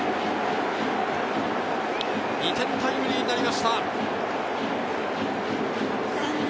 ２点タイムリーになりました。